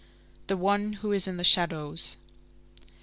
The One who is in the shadows.